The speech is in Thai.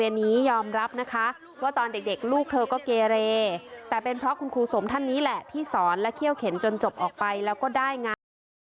อันนี้ยอมรับนะคะว่าตอนเด็กลูกเธอก็เกเรแต่เป็นเพราะคุณครูสมท่านนี้แหละที่สอนและเขี้ยวเข็นจนจบออกไปแล้วก็ได้งาน